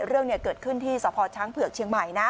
เรื่องเกิดขึ้นที่สพช้างเผือกเชียงใหม่นะ